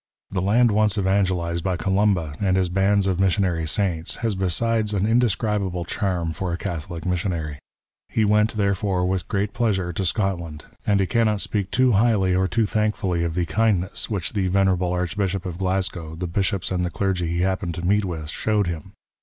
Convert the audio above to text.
The land once evangelized by Columba and his bands of missionary saints, has besides an indescribable charm for a Catholic missionary. He went, therefore, with great pleasure to Scotland, and he cannot speak too highly or too thankfully of the kindness which the Venerable Archbishop of Glasgow, the Bishops and the Clergy he happened to meet with showed him.